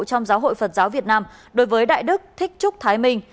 trong giáo hội phật giáo việt nam đối với đại đức thích trúc thái minh